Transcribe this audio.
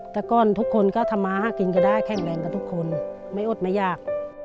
แต่ก่อนทุกคนก็ทำมาหากินก็ได้แข็งแรงกับทุกคนไม่อดไม่ยาก